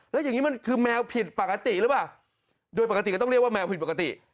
แล้วอย่างนี้มันคือแมวผิดปกติหรือเปล่าโดยปกติก็ต้องเรียกว่าแมวผิดปกติ